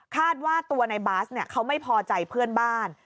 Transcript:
ว่าตัวในบาสเขาไม่พอใจเพื่อนบ้าน